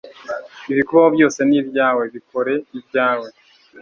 Ibikubaho byose ni ibyawe. Bikore ibyawe.